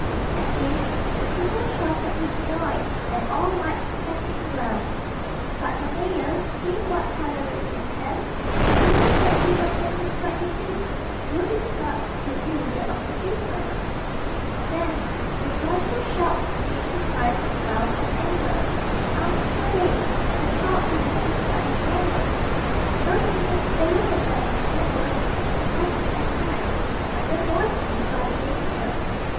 At this, the people shouted with joy, and all might have been well; but the mayor, seeing Wat Tyler raise his hand, and fearing that he was going to strike the king, drew his sword, and killed the leader of the people. Then the joyful shouts changed to cries and growls of anger. Arms were raised, and the crowd began to press forward. In a minute the little band of nobles would have been attacked, but the boy king saw the danger.